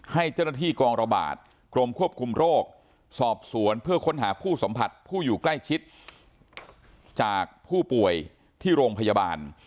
ให้เจ้าหน้าที่กองระบาดกรมควบคุมโรคสอบสวนเพื่อค้นหาผู้สัมผัสผู้อยู่ใกล้ชิดจากผู้ป่วยที่โรงพยาบาล